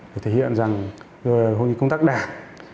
để thể hiện rằng hội nghị công tác đạt